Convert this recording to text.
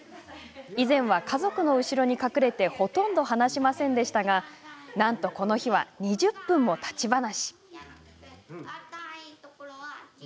以前は家族の後ろに隠れてほとんど話しませんでしたがなんと、この日は２０分も立ち話。